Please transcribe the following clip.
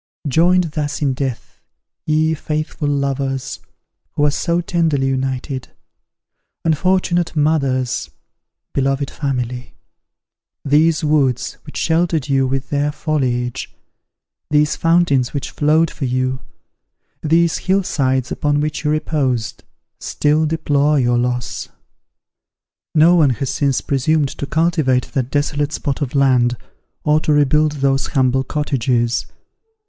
Joined thus in death, ye faithful lovers, who were so tenderly united! unfortunate mothers! beloved family! these woods which sheltered you with their foliage, these fountains which flowed for you, these hill sides upon which you reposed, still deplore your loss! No one has since presumed to cultivate that desolate spot of land, or to rebuild those humble cottages.